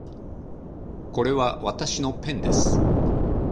これはわたしのペンです